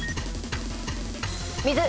水。